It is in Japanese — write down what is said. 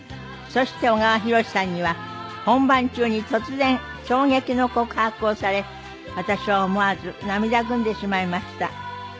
そして小川宏さんには本番中に突然衝撃の告白をされ私は思わず涙ぐんでしまいました。